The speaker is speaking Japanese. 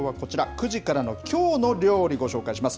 ９時からのきょうの料理、ご紹介します。